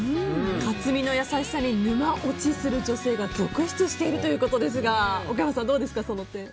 克巳の優しさに沼落ちする女性が続出しているということですがその点どうですか？